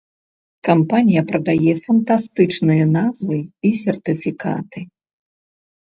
Кампанія прадае фантастычныя назвы і сертыфікаты.